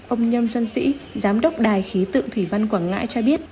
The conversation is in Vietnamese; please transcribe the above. ông nhâm xuân sĩ giám đốc đài khí tự thủy văn quảng ngãi cho biết